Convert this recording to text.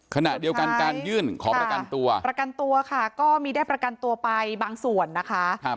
ขณะเดียวกันการยื่นขอประกันตัวประกันตัวค่ะก็มีได้ประกันตัวไปบางส่วนนะคะ